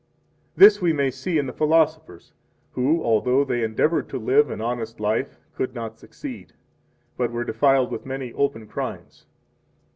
This we may see in the philosophers, who, although they endeavored to live an honest life could not succeed, 34 but were defiled with many open crimes.